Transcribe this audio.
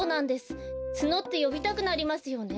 ツノってよびたくなりますよね。